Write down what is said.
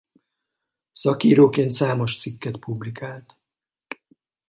Szakíróként számos cikket publikált.